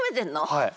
はい。